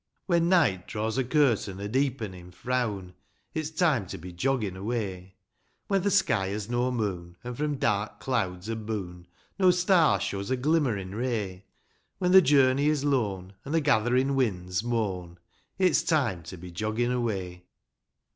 When night draws a curtain of deepenin' frown, It's time to be joggin' away :* When the sky has no moon, an' from dark clouds aboon No star shows a glimmer in' ray ; When the journey is lone, an' the gatherin' winds moan, It's time to be joggin' away.